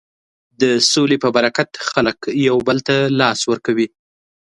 د سولې په برکت خلک یو بل ته لاس ورکوي.